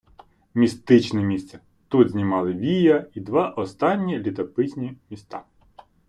Містичне місце: тут знімали "Вія" І два останні літописні міста.